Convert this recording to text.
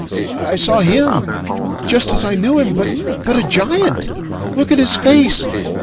I saw him just as I knew him but a giant! Look at his face!